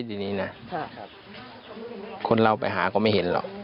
ทีนี้นะคนเราไปหาก็ไม่เห็นหรอก